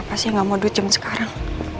siapa sih yang gak mau duit jam sekarang